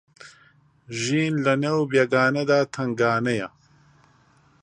ژین لە نێو بێگانەدا تەنگانەیە